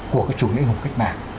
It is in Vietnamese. của cái chủ nghĩa hùng cách mạng